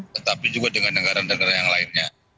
tetapi juga dengan negara negara yang lainnya